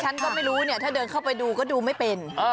ฉันก็ไม่รู้เนี่ยถ้าเดินเข้าไปดูก็ดูไม่เป็น